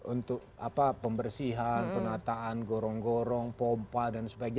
untuk pembersihan penataan gorong gorong pompa dan sebagainya